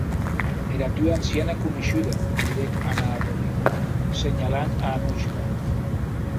Era tua anciana coneishuda, didec Anna a Dolly, senhalant a Anuchka.